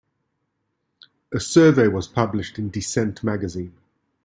A survey was published in Descent magazine.